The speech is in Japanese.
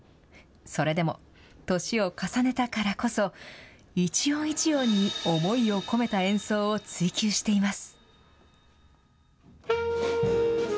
それでも、年を重ねたからこそ、一音一音に思いを込めた演奏を追求しています。